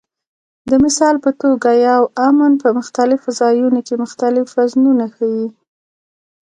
د مثال په توګه یو "امن" په مختلفو ځایونو کې مختلف وزنونه ښيي.